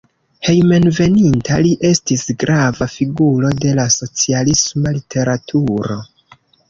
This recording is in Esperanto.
Hejmenveninta li estis grava figuro de la socialisma literaturo.